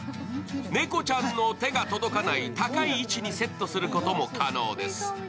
猫ちゃんの手が届かない高い位置にセットすることも可能です。